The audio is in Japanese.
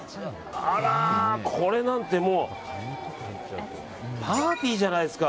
これなんてもうパーティーじゃないですか。